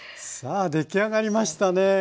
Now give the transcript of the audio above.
さあ出来上がりましたね。